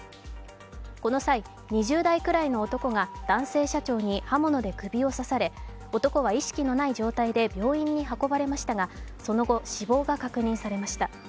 この際、２０代くらいの男が男性社長に刃物で首を刺され、男は意識のない状態で病院に運ばれましたが、その後、死亡が確認されました。